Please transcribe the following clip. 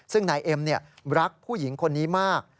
ซึ่งนายเอ็มรักผู้หญิงคนนี้มาก